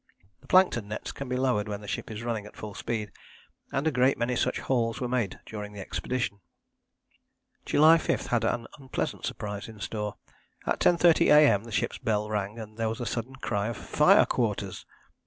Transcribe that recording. The plankton nets can be lowered when the ship is running at full speed, and a great many such hauls were made during the expedition. July 5 had an unpleasant surprise in store. At 10.30 A.M. the ship's bell rang and there was a sudden cry of "Fire quarters."